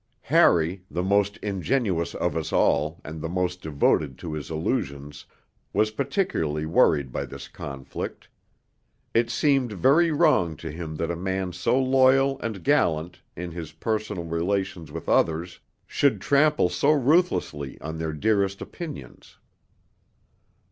Harry, the most ingenuous of us all and the most devoted to his illusions, was particularly worried by this conflict. It seemed very wrong to him that a man so loyal and gallant in his personal relations with others should trample so ruthlessly on their dearest opinions.